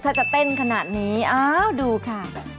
ถ้าจะเต้นขนาดนี้อ้าวดูค่ะ